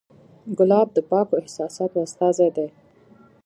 ګلاب د پاکو احساساتو استازی دی.